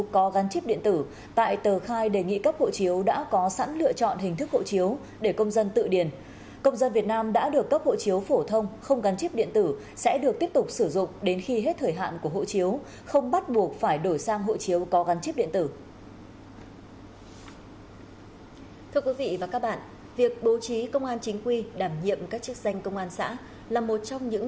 chuyển hóa địa bàn trọng điểm phức tạp là một trong những nhiệm vụ quan trọng